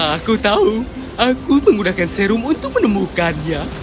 aku tahu aku menggunakan serum untuk menemukannya